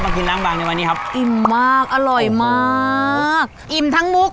กินล้างบางในวันนี้ครับอิ่มมากอร่อยมากอิ่มทั้งมุก